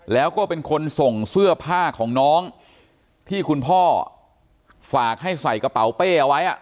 แล้วก็เป็นคนส่งเสื้อผ้าของน้องที่คุณพ่อฝากให้ใส่กระเป๋าเป้เอาไว้